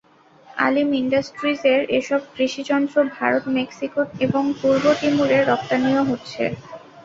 আলিম ইন্ডাস্ট্রিজের এসব কৃষিযন্ত্র ভারত, মেক্সিকো এবং পূর্ব তিমুরে রপ্তানিও হচ্ছে।